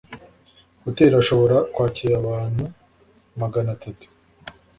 hoteri irashobora kwakira abantu magana atatu